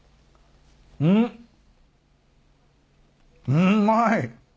うまい。